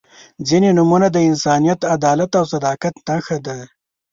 • ځینې نومونه د انسانیت، عدالت او صداقت نښه ده.